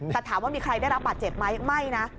แต่ถามว่ามีใครได้รับบาดเจ็บไหมไม่นะ